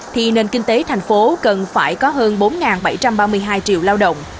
thì nền kinh tế thành phố cần phải có hơn bốn bảy trăm ba mươi hai triệu lao động